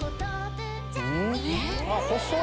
細い！